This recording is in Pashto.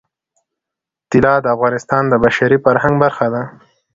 طلا د افغانستان د بشري فرهنګ برخه ده.